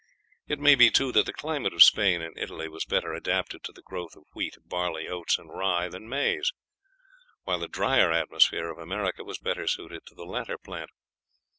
It may be, too, that the climate of Spain and Italy was better adapted to the growth of wheat, barley, oats and rye, than maize; while the drier atmosphere of America was better suited to the latter plant.